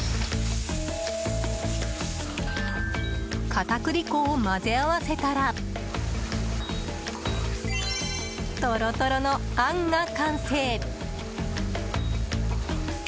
片栗粉を混ぜ合わせたらトロトロのあんが完成。